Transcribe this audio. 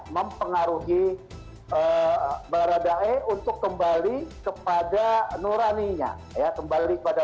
mempengaruhi baradae untuk kembali kepada nuraninya